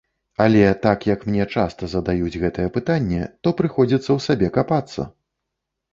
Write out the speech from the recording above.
Але так як мне часта задаюць гэтае пытанне, то прыходзіцца ў сабе капацца.